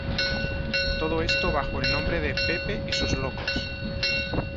Todo esto bajo el nombre de "Pepe y sus Locos.